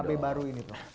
skb baru ini prof